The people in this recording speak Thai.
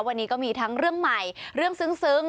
วันนี้ก็มีทั้งเรื่องใหม่เรื่องซึ้ง